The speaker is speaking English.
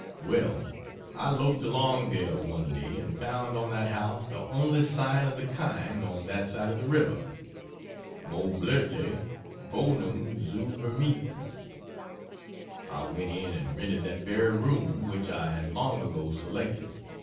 Well, I loafed along there one day and found on that house the only sign of the kind on that side of the river: "Moblirte Wohnung zu Vermiethen!" I went in and rented that very room which I had long ago selected.